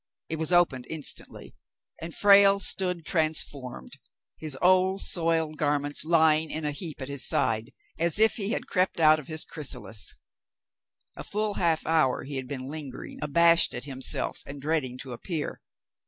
It was opened instantly, and Frale stood transformed, his old, soiled garments lying in a heap at his side as if he had crept out of his chrysalis. A full half hour he had been lingering, abashed at himself and dreading to appear.